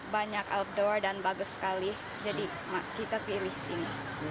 banyak outdoor dan bagus sekali jadi kita pilih sini